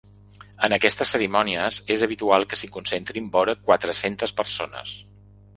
En aquestes cerimònies és habitual que s’hi concentrin vora quatre-centes persones.